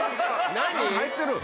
何か入ってる！